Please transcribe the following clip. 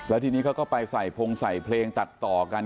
แล้วทีนี้เขาก็ไปใส่พงใส่เพลงตัดต่อกัน